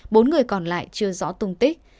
bốn người còn lại chưa rõ tung tích